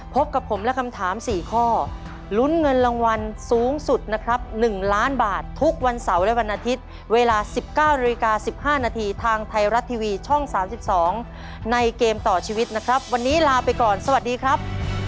พบกับผมและคำถาม๔ข้อลุ้นเงินรางวัลสูงสุดนะครับ๑ล้านบาททุกวันเสาร์และวันอาทิตย์เวลา๑๙นาฬิกา๑๕นาทีทางไทยรัฐทีวีช่อง๓๒ในเกมต่อชีวิตนะครับวันนี้ลาไปก่อนสวัสดีครับ